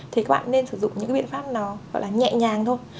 thì các bạn nên sử dụng những cái biện pháp đó gọi là nhẹ nhàng thôi